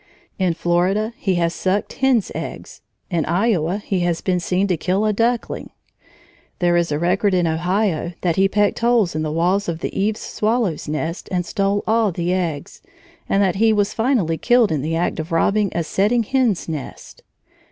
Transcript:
In Florida he has sucked hen's eggs. In Iowa he has been seen to kill a duckling. There is a record in Ohio that he pecked holes in the walls of the eaves swallow's nest and stole all the eggs, and that he was finally killed in the act of robbing a setting hen's nest.